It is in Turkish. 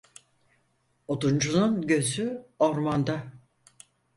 Oduncunun gözü ormanda.